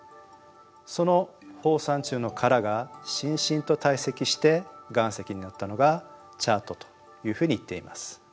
その放散虫の殻がしんしんと堆積して岩石になったのがチャートというふうにいっています。